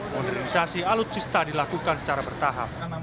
modernisasi alutsista dilakukan secara bertahap